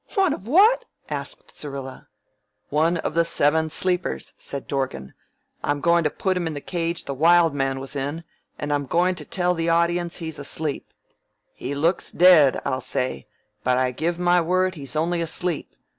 "One of what?" asked Syrilla. "One of the Seven Sleepers," said Dorgan. "I'm goin' to put him in the cage the Wild Man was in, and I'm goin' to tell the audiences he's asleep. 'He looks dead,' I'll say, 'but I give my word he's only asleep.